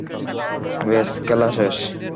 ব্যাস, খেলা শেষ।